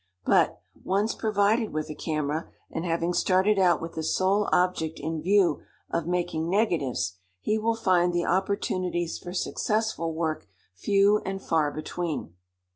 But, once provided with a camera, and having started out with the sole object in view of making negatives, he will find the opportunities for successful work few and far between.